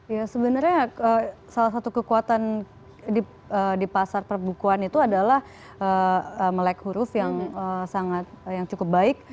ya sebenarnya salah satu kekuatan di pasar perbukuan itu adalah melek huruf yang cukup baik